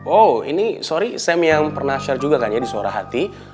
oh ini sorry sam yang pernah share juga kan ya di suara hati